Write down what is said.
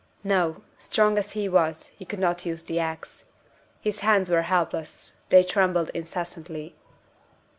No! strong as he was, he could not use the ax. His hands were helpless; they trembled incessantly.